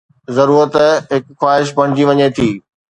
ضرورت هڪ خواهش بڻجي وڃي ٿي.